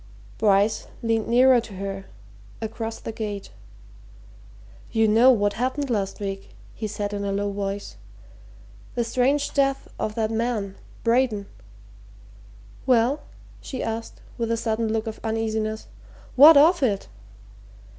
Bryce leaned nearer to her across the gate. "You know what happened last week," he said in a low voice. "The strange death of that man Braden." "Well?" she asked, with a sudden look of uneasiness. "What of it?"